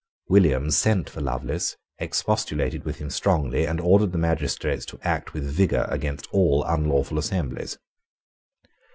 William sent for Lovelace, expostulated with him strongly, and ordered the magistrates to act with vigour against all unlawful assemblies.